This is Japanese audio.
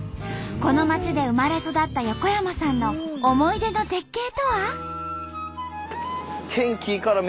この町で生まれ育った横山さんの思い出の絶景とは？